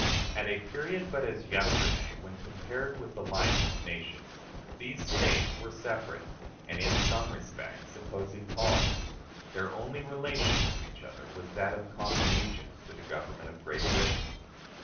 At a period but as yesterday, when compared with the life of nations, these States were separate, and in some respects opposing colonies; their only relation to each other was that of a common allegiance to the Government of Great Britain.